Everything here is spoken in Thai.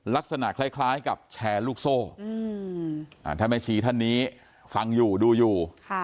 ลักษณะคล้ายกับแชร์ลูกโซ่ถ้าแม่ชีท่านนี้ฟังอยู่ดูอยู่